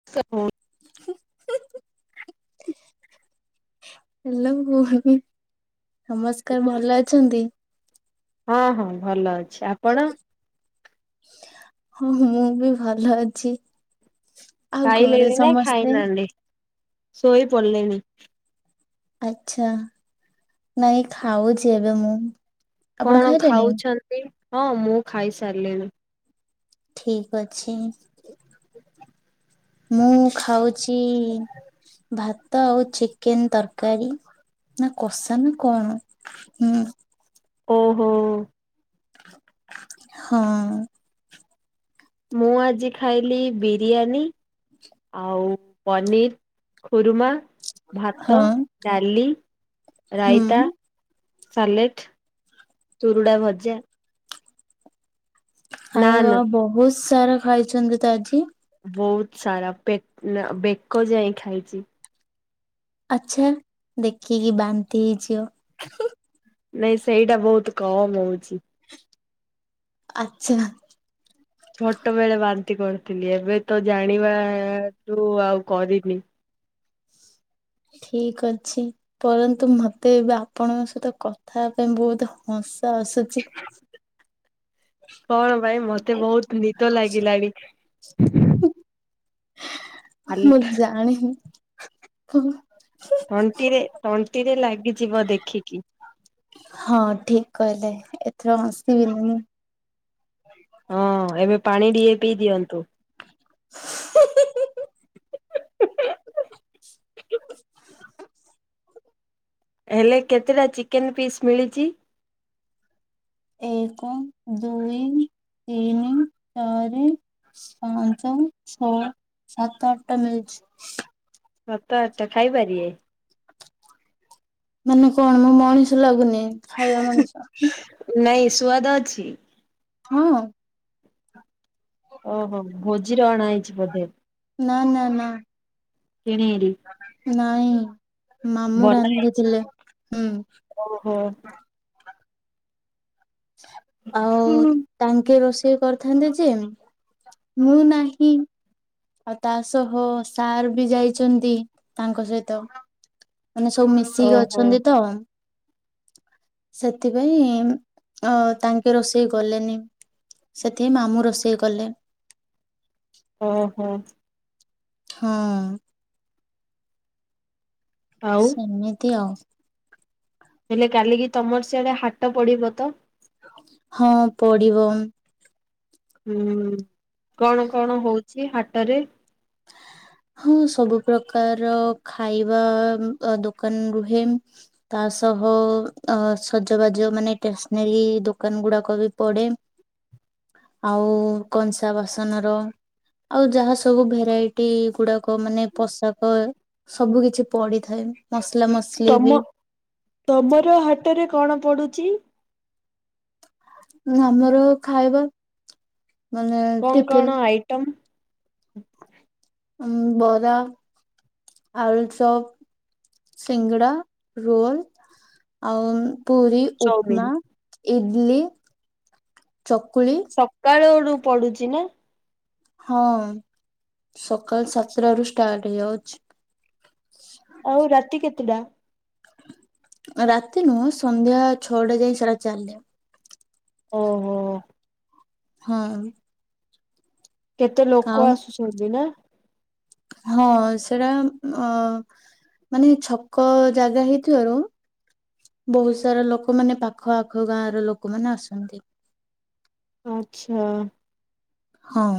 [unintelligible] [unintelligible] Hello ଭଉଣୀ ନମସ୍କାର ଭଲ ଅଛନ୍ତି? ହଁ -ହଁ ଭଲ ଅଛି। ଆପଣ? ହଁ ମୁଁ ବି ଭଲ ଅଛି। ଆଉ ଘରେ ଖାଇଲେଣି ନା ସମସ୍ତେ? ଖାଇନାହାନ୍ତି? ଶୋଇ ପଡିଲେଣିି। ଆଚ୍ଛା। ନାଇଁ ଖାଉଛି ଏବେ ମୁଁ। ଆପଣ କଣ ଖାଇଲେଣି? ଖାଉଛନ୍ତି? ହଁ ମୁଁ ଖାଇସାରିଲିଣି। ଠିକ ଅଛି। ମୁଁ ଖାଉଛି ଭାତ ଆଉ ଚିକେନ୍ ତରକାରୀ। ନା କଷା ନା କଣ? ହୁଁ। ଓହୋ ହଁ। ମୁଁ ଆଜି ଖାଇଲି ବିରିୟାନୀ। ଆଉ ପନିର୍ ଖୁରୁମା। ଭାତ, ହଁ ଡାଲି, ରାଇତା। ହୁଁ ସାଲେଟ, ଚୁରୁଡା ଭଜା। ଆରେ ନାନ୍ ବା ବହୁତ ସାରା ଖାଇଛନ୍ତି ତ ଆଜି। ବହୁତ ସାରା ପେ ନା ବେକ ଯାଏଁ ଖାଇଛି। ଆଛା ଦେଖିକି ବାନ୍ତି ହେଇଯିବ। ନାଇଁ ସେଇଟା ବହୁତ କମ ହଉଛି। ଆଛା। ଛୋଟବେଳେ ବାନ୍ତି କରିଥିଲି। ଏବେ ତ ଜାଣିବାଠୁ ଆଉ କରିନି। ଠିକ ଅଛି। ପରନ୍ତୁ ମତେ ଏବେ ଆପଣଙ୍କ ସହିତ କଥା ପାଇଁ ବହୁତ ହସଁ ଆସୁଛି। କଣ ପାଇଁ ଇ ମତେ ବହୁତ ନିଦ ଲାଗିଲାଣି। ଖାଲି ମୁଁ ଜାଣେ ହୁ ହୁଁ ତଣ୍ଟିରେ ତଣ୍ଟିରେ ଲାଗିଯିବ ଦେଖିକି। ହଁ ଠିକ କହିଲେ ଏଥର ହସିବିନି ମୁଁ। ହଁ ଏବେ ପାଣି ଟିକେ ପିଇ ଦିଅନ୍ତୁ। [unintelligible] [unintelligible] [unintelligible] ହେଲେ କେତେଟା ଚିକେନ ପିସ୍ ମିଳିଛି। ଏକ, ଦୁଇ, ତିନି, ଚାରି। ପାଞ୍ଚ, ଛଅ, ସାତ, ଆଠଟା ମିଳିଛି। ସତ ଆଠ ଟା ଖାଇପାରିବେ। ମାନେ କଣ ମୁଁ ମଣିଷ ଲାଗୁନି ଖାଇବା ମଣିଷ। ନାଇଁ ସୁଆଦ ଅଛି? ହଁ। ଓହୋ ଭୋଜିରୁ ଅଣା ହେଇଛି ବୋଧେ। ନା ନା ନା। କିଣି କିରି? ନାଇଁ ମାମୁଁ ବନା ହେଇଛି ରାନ୍ଧିଥିଲେ। ହୁଁ ଓହୋ। ଆଉ ହୁଁ। ତାଙ୍କେ ରୋଷେଇ କରିଥାନ୍ତେ ଯେ ମୁଁ ନାହିଁ। ଆଉ ତା ସହ ସାର୍ ବି ଯାଇଛନ୍ତି ତାଙ୍କ ସହିତ। ମାନେ ସବୁ ମିଶିକି ଓହୋ ଅଛନ୍ତି ତ। ସେଥିପାଇଁ ଅ ତାଙ୍କେ ରୋଷେଇ କଲେନି। ସେଥି ପାଇଁ ମାମୁଁ ରୋଷେଇ କଲେ। ଓହୋ। ହୁଁ। ଆଉ ସେମିତି ଆଉ। ହେଲେ କାଲିକି ତମର ସିଆଡେ ହାଟ ପଡିବ ତ? ହଁ ପଡିବ। ହୁଁ କଣ କଣ ହଉଛି ହାଟରେ। [unintelligible] ହଁ ସବୁ ପ୍ରକାର ଖାଇବା ଦୋକାନ ରୁହେ। ତା ସହ ଅ ସଜବାଜ ମାନେ ଷ୍ଟେସନାରୀ ଦୋକାନ ଗୁଡାକ ବି ପଡେ। ଆଉ କଂସା ବାସନ ର ଆଉ ଯାହା ସବୁ ଭେରାଇ ଟି ଗୁଡାକ ମାନେ ପୋଷାକ ସବୁ କିଛି ପଡିଥାଏ ମସଲା ମସ ତମ ତମର ହାଟରେ କଣ ପଡୁଛି? ଆମର ଖାଇବା ମାନେ କଣ ଟିଫିନ କଣ ଆଇଟମ୍? ଉଁ ବରା, ଆଳୁଚପ ସିଙ୍ଗଡ଼ା, ରୋଲ ଆଉ ପୁରି ଉପମା, ଚାଉମିିନ। ଇଡଲି, ଚକୁଳି ସକାଳ ବେଡୁ ପଡୁଛି ନା? ହଁ ସକାଳ ସାତଟା ରୁ ଷ୍ଟାର୍ଟ ହେଇଯାଉଛି। ଆଉ ରାତି କେତେଟା? ରାତି ନୁହଁ ସନ୍ଧ୍ୟା ଛଅଟା ଯାଇ ସେଟା ଚାଲେ। ଓହୋ। ହଁ। କେତେ ଲୋକ ଆଉ ଆସୁଛନ୍ତି ନା? ହଁ ସେଇଟା ଅ ମାନେ ଛକ ଜାଗା ହେଇଥିବାରୁ ବହୁତ ସାରା ଲୋକମାନେ ପାଖ ଆଖ ଗାଁ ର ଲୋକମାନେ ଆସନ୍ତି। ଆଚ୍ଛା। ହଁ।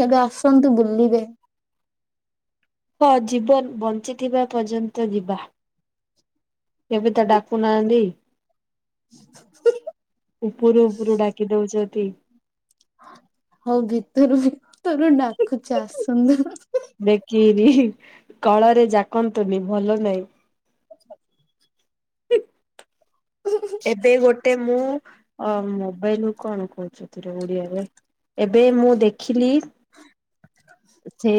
କେବେ ଆସନ୍ତୁ ବୁଲିବେ। ହଁ ଜୀବନ ବଞ୍ଚିଥିବା ପର୍ଯ୍ୟନ୍ତ ଯିବା। କେବେ ତ ଡାକୁ ନାହାଁନ୍ତି। [inaudible] ଉପରୁ ଉପରୁ ଡାକି ଦଉଛ ଟି। ହଉ ଭିତରୁ ଭିତରୁ ଡାକୁଚି ଆସନ୍ତୁ। ଦେଖି ନି କଳରେ ଜାକନ୍ତୁନି ଭଲ ନାଇଁ। ଆଛା ଏବେ ଗୋଟେ ମୁଁ ଅଁ ମୋବାଇଲ ରୁ କଣ କହୁଚତିରେ ଓଡିଆରେ, ଏବେ ମୁଁ ଦେଖିଲି ଯେ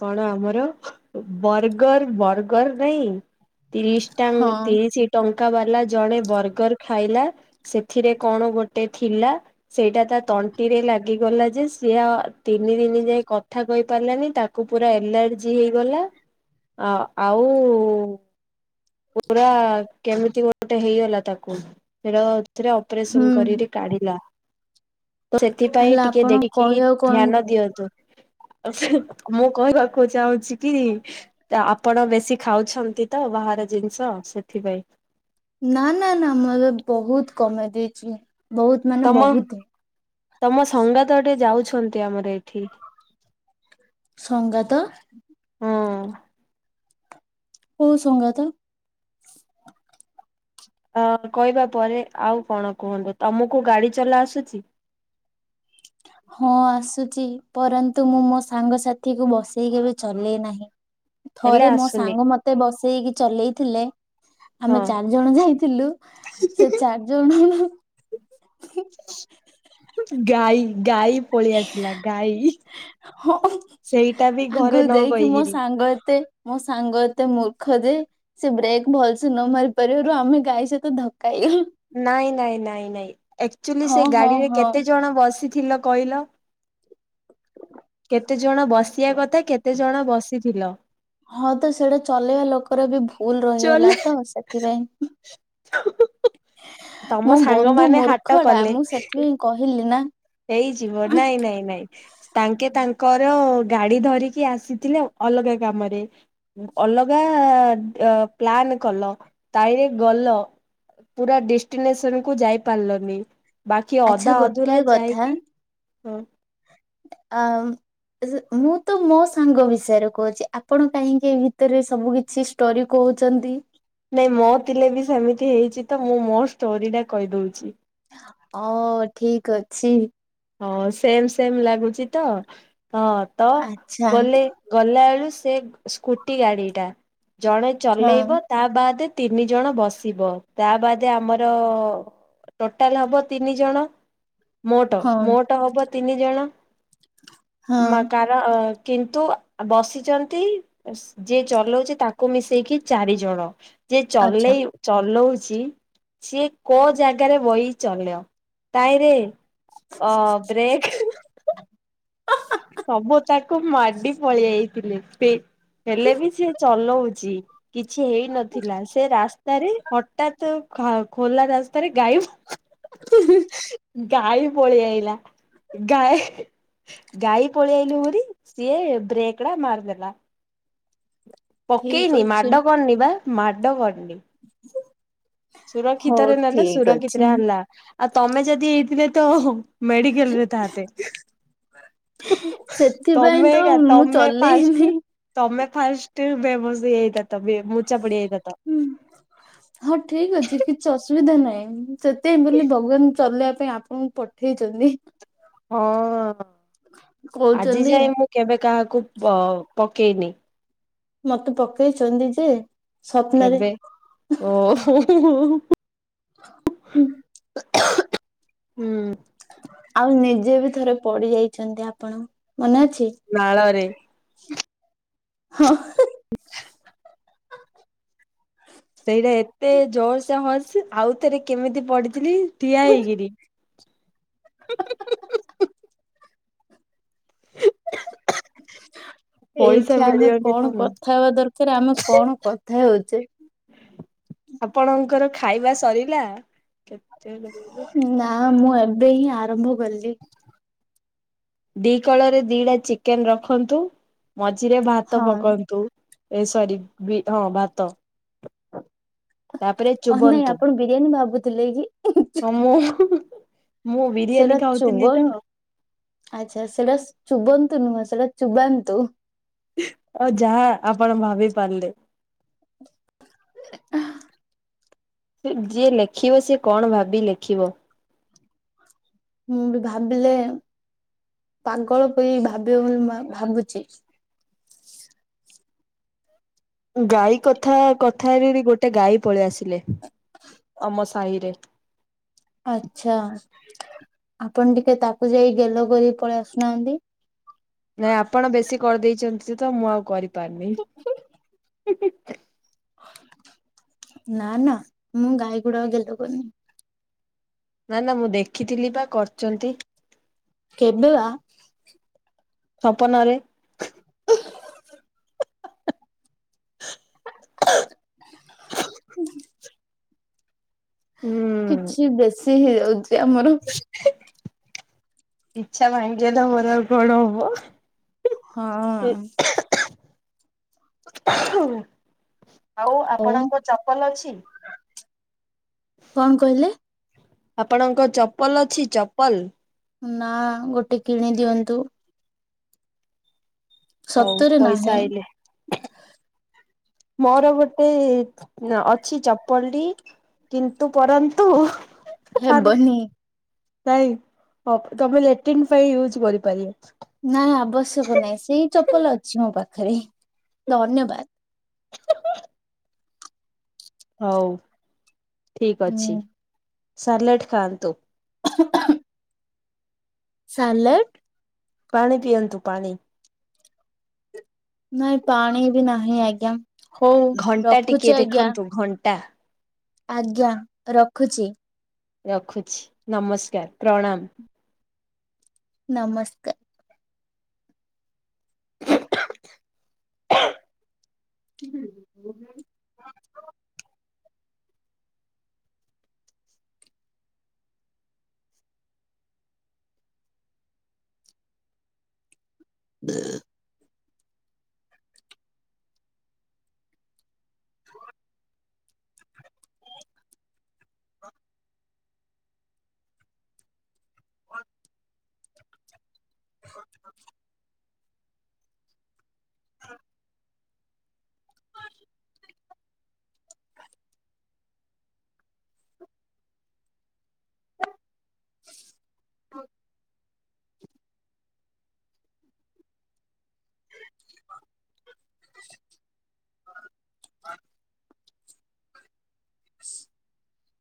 କଣ ଆମର ବର୍ଗର ବର୍ଗର ନାଇଁ ତିରିଶଟା ହଁ ତିରିଶ ଟଙ୍କା ବାଲା ଜଣେ ବର୍ଗର ଖାଇଲା। ସେଥିରେ କଣ ଗୋଟେ ଥିଲା। ସେଇଟା ତା ତଣ୍ଟିରେ ଲାଗିଗଲା ଯେ ସିଆ ତିନି ଦିନ ଯାଏ କ କଥା କହି ପାରିଲାନି ତାକୁ ପୁରା ଏଲାର୍ଜି ହେଇଗଲା, ଆ ଆଉ ପୁରା କେମିତି ଗୋଟେ ହେଇଗଲା ତାକୁ ସେଟା ସେଟା ହୁଁ ଅପରେସନ କରିଲେ କାଢିଲା। ତ ସେଥିପାଇଁ ହେଲା ଟିକେ ଆପଣ ଦେଖିକି କହିବାକୁ କଣ ଧ୍ୟାନ ଦିଅନ୍ତୁ। ଆଛା ମୁଁ କହିବାକୁ ଚାହୁଁଛି କି? ତ ଆପଣ ବେଶୀ ଖାଉଛନ୍ତି ତ ବାହାର ଜିନିଷ ସେଥିପାଇଁ। ନା ନା ନା ମୁଁ ଏବେ ବହୁତ କମେଇ ଦେଇଛି ବହୁତ। ମାନେ ତମ ବହୁତ। ତମ ସଙ୍ଗାତ ଟେ ଯାଉଛନ୍ତି ଆମର ଏଇଠି। ସଙ୍ଗାତ? ହଁ। କୋଉ ସଙ୍ଗାତ? ଅ କହିବା ପରେ ଆଉ କଣ କୁହନ୍ତୁ ତମକୁ ଗାଡ଼ି ଚଲା ଆସୁଛି ହଁ ଆସୁଛି ପରନ୍ତୁ ମୁଁ ମୋ ସାଙ୍ଗସାଥିକୁ ବସେଇ କେବେ ଚଲେଇ ନାହିଁ ହେଲେ ଥରେ ମୋ ଆସୁନି ସାଙ୍ଗ ମତେ ବସେଇକି ଚଲେଇଥିଲେ ହଁ। ଆମେ ଚାରି ଜଣ ଯାଇଥିଲୁ ସେ ଚାରି ଜଣ ଗାଈ ଗାଈ ପଳେଇ ଆସିଲା ଗାଈ ହଁ ସେଇଟା ବି ଆଗକୁ ଘରେ ନ ଯାଇକି ମୋ କହିକିରି। ସାଙ୍ଗ ଏତେ ମୋ ସାଙ୍ଗ ଏତେ ମୂର୍ଖ ଯେ ସେ ବ୍ରେକ୍ ଭଲସେ ନ ମାରି ପାରିବାରୁ ଆମେ ଗାଈ ସହିତ ଧକା ହେଇଗଲୁ ନାଇଁ ନାଇଁ ନାଇଁ ନାଇଁ ଆକ୍ଚେଲି ହଁ ସେ ହଁ ଗାଡ଼ିରେ ହଁ କେତେ ଜଣ ବସିଥିଲ କହିଲ କେତେ ଜଣ ବସିବା କଥା କେତେ ଜଣ ବସିଥିଲ ହଁ ତ ସେଇଟା ଚଲେଇବା ଲୋକର ବି ଭୁଲ ରହିଗଲା ଚଲେ ତ ସେଥିପାଇଁ ତମ ମୋ ବନ୍ଧୁ ସାଙ୍ଗମାନେ ହାଟ ମୂର୍ଖଟା ମୁଁ କଲେ ସେଥିପାଇଁ କହିଲି ନା ହେଇଯିବ ନାଇଁ ନାଇଁ ନାଇଁ ତାଙ୍କେ ତାଙ୍କର ଗାଡ଼ି ଧରିକି ଆସିଥିଲେ ଅଲଗା କାମରେ ଅଲଗା ପ୍ଲାନ୍ କଲ ତାଇରେ ଗଲ ପୁରା ଡେଷ୍ଟିନେସନକୁ ଯାଇ ପାରିଲନି ବାକି ଅଧା ଅଧୁରା ଯାଇ ହେ ଆମ ମୁଁ ତ ମୋ ସାଙ୍ଗ ବିଷୟରେ କହୁଛି ଆପଣ କାହିଁକି ଏ ଭିତରେ ସବୁ କିଛି ଷ୍ଟୋରି କହୁଛନ୍ତି ନାଇଁ ମୋ ଥିଲେ ବି ସେମିତି ହେଇଛି ତ ମୁଁ ମୋ ଷ୍ଟୋରି ଟା କହିଦଉଛି ଅ ଠିକ୍ ଅଛି ହଁ ସେମ୍ ସେମ୍ ଲାଗୁଛି ତ ହଁ ତ ଆଚ୍ଛା ଗଲେ ଗଲା ବେଳୁ ସେ ସ୍କୁଟି ଗାଡ଼ି ଟା ଜଣେ ହଁ ଚଲେଇବ ତା ବାଦେ ତିନି ଜଣ ବସିବ ତା ବାଦେ ଆମର ପୋର୍ଟାଲ୍ ହବ ତିନି ଜଣ ମୋଟ୍ ହଁ। ମୋଟ୍ ହବ ତିନି ଜଣ ହଁ। କାର କିନ୍ତୁ ବସିଛନ୍ତି ଯିଏ ଚଲେଉଛି ତାକୁ ମିଶେଇକି ଚାରି ଜଣ ଯିଏ ଆଚ୍ଛା ଚଲେଇ ଚଲଉଛି ସିଏ କୋଉ ଜାଗାରେ ବହି ଚଲ ତାଇରେ ଅ ବ୍ରେକ୍ ସବୁ ତାକୁ ମାଡ଼ି ପଳି ଆଇ ଥିଲେ ସେ ହେଲେ ବି ସେ ଚଲେଉଚି କିଛି ହେଇ ନଥିଲା ସେ ରାସ୍ତାରେ ହଟାତ୍ ଖୋଲା ରାସ୍ତାରେ ଗାଈ ଗାଈ ପଳିଆଇଲା ଗାଈ ଗାଈ ପଳିଆଇଲୁ ଉୁରି ସିଏ ବ୍ରେକ୍ ଟା ମାରି ଦେଲା ଠିକ ପକେଇନି ମାଡ଼ କରିନି ବା ମାଡ଼ କରିନି ହ ସୁୁରକ୍ଷିତରେ ନେଲେ ସୁୁରକ୍ଷିତରେ ଆଣିଲା ଆଉ ତମେ ଯଦି ହେଇଥିଲେ ତ ମେଡ଼ିିକାଲ୍ ରେ ଥାନ୍ତେ ତମେ ସେଥିପାଇଁ ତ ଏକା ମୁଁ ତମେ ଫାଷ୍ଟ ଚଲେଇନି ତମେ ଫାଷ୍ଟେ ବେମସ ହେଇଯାଇଥାନ୍ତ ତ ମୂଚା ପାଡ଼ି ଯାଇଥାନ୍ତ ହୁଁ ହଁ ଠିକ୍ ଅଛି କିଛି ଅସୁବିଧା ନାହିଁ ସେଇଥି ପାଇଁ ବୋଲି ଭଗବାନ୍ ଚଲେଇବା ପାଇଁ ଆପଣଙ୍କୁ ପଠେଇଚନ୍ତି ହଁ ଆଜି କହୁଛନ୍ତି ଯାଏଁ ମୁଁ କେବେ କାହାକୁ ପକେଇନି ମତେ ପକେଇଚନ୍ତି ଯେ ସ୍ୱପ୍ନରେ କେବେ ଓ ହୋ ହୋ ହୋ। ହୁଁ। ଆଉ ନିଜେ ବି ଥରେ ପଡ଼ି ଯାଇଛନ୍ତି ଆପଣ ମନେ ଅଛି? ନାଳରେ। ହଁ। ସେଇଟା ଏତେ ଜୋରସେ ହର୍ସ ଆଉ ଥରେ କେମିତି ପଡ଼ିଥିଲି ଠିଆ ହେଇକିରି। [unintelligible] [unintelligible] ପଇସା ଏଇଠି ଆମେ ମିଳିବନି କଣ ଜମା କଥା ହବା ଦରକାରେ ଆମେ କଣ କଥା ହଉଚେ। ଆପଣଙ୍କର ଖାଇବା ସରିଲା? ଆଉ ମୁଁ ଏବେ ହିଁ ଆରମ୍ଭ କଲି। ଦି କଳରେ ଦିଟା ଚିକେନ୍ ରଖନ୍ତୁ ମଝିରେ ଭାତ ହଁ ପକନ୍ତୁ। ଏ ସରି ବି ହଁ ଭାତ। ତାପରେ ଅହ୍ ନାଇଁ ଚୁବନ୍ତୁ ଆପଣ ବିରିୟାନୀ ଭାବୁଥିଲେ କି? ହଁ ମୁଁ ମୁଁ ବିରିୟାନୀ ସେଟା ଖାଉଥିଲି ତ। ଚୁବନ ଆଚ୍ଛା ସେରା ଚୁବନ୍ତୁ ନୁହଁ ସେଟା ଚୁବାନ୍ତୁ। ଆଉ ଯାହା ଆପଣ ଭାବି ପାରିଲେ। [unintelligible] ଏ ଯିଏ ଲେଖିବ ସିଏ କଣ ଭାବି ଲେଖିବ। ମୁଁ ବି ଭାବିଲେ ପାଗଳ ପରି ଭାବିବ ବୋଲି ଭା ଭାବୁଚି। ଗାଈ କଥା କଥା ହେଲିଏରି ଗୋଟେ ଗାଈ ପଳି ଆସିଲେ ଆମ ସାହିରେ। ଆଛା ଆପଣ ଟିକେ ତାକୁ ଯାଇ ଗେଲ କରି ପଳେଇ ଆସୁନାହାନ୍ତି। ନାଇଁ ଆପଣ ବେଶୀ କରି ଦେଇଛନ୍ତି ତ ମୁଁ ଆଉ କରିପାରୁନି। ନା ନା ମୁଁ ଗାଈ ଗୁଡ଼ାକୁ ଗେଲ କରିନି। ନା ନା ମୁଁ ଦେଖିଥିଲି ପା କରିଚନ୍ତି। କେବେ ବା? ସପନରେ। [unintelligible] [inaudible] ହୁଁ କିଛି ବେଶୀ ହେଇଯାଉଚି ଆମର। ଇଛା ଭାଙ୍ଗିଗଲେ ମୋର ଆଉ କଣ ହବ। ହଁ [unintelligible] ଆଉ ଆପଣଙ୍କ ଚପଲ ଅଛି? କଣ କହିଲେ? ଆପଣଙ୍କ ଚପଲ ଅଛି ଚପଲ୍? ନା ଗୋଟେ କିଣି ଦିଅନ୍ତୁ। ହଉ ସତରେ ପଇସା ନାହିଁ? ଆଇଲେ। ମୋର ଗୋଟେ ଅଛି ଚପଲି। କିନ୍ତୁ ପରନ୍ତୁ ମାଲୋ ହେବନି। ନାଇଁ ତମେ ଲାଟିନ୍ ପାଇଁ ୟୁଜ କରିପାରିବ। ନା ଆବଶ୍ୟକ ନାହିଁ ସେଇ ଚପଲ ଅଛି ମୋ ପାଖରେ ଧନ୍ୟବାଦ। ହଉ ଠିକ ଅଛି ହୁଁ। ସାଲେଟ ଖାଆନ୍ତୁ। ସାଲେଟ୍ ପାଣି ପିଅନ୍ତୁ ପାଣି। ନାଇଁ ପାଣି ବି ନାହିଁ ଆଜ୍ଞା ହଉ ରଖୁଛି ଆଜ୍ଞା। ଟା ଆଜ୍ଞା ରଖୁଛି। ରଖୁଛି ନମସ୍କାର ପ୍ରଣାମ। ନମସ୍କାର। [unintelligible] [unintelligible] [unintelligible] [unintelligible] [unintelligible] [unintelligible] [unintelligible] [unintelligible] [unintelligible] [unintelligible]